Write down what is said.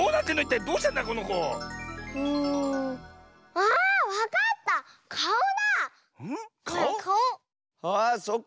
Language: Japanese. あそっか！